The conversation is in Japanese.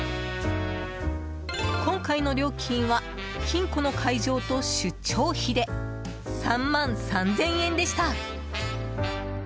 今回の料金は金庫の解錠と出張費で３万３０００円でした。